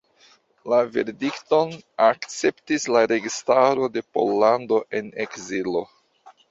La verdikton akceptis la registaro de Pollando en ekzilo.